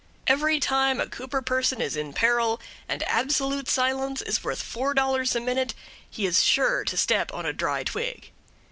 Every time a Cooper person is in peril, and absolute silence is worth four dollars a minute, he is sure to step on a dry twig.